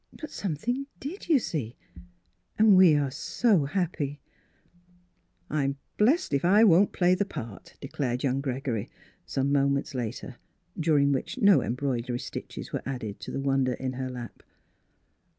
But some thing did, — you see, and we are so happy !"" I'm blessed if I won't play the part," declared young Gregory, some moments later, during which no embroidery stitches were added to the wonder in her lap.